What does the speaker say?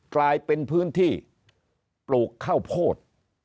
กลายเป็นพื้นที่ปลูกข้าวโพด